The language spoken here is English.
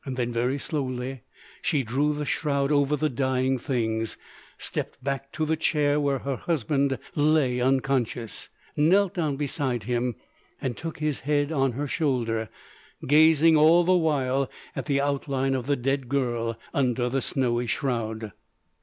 Then, very slowly, she drew the shroud over the dying things; stepped back to the chair where her husband lay unconscious; knelt down beside him and took his head on her shoulder, gazing, all the while, at the outline of the dead girl under the snowy shroud.